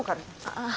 ああ。